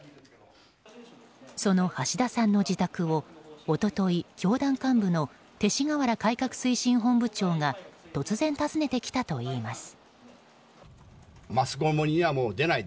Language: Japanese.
その橋田さんの自宅を一昨日、教団幹部の勅使河原改革推進本部長が突然、訪ねてきたといいます。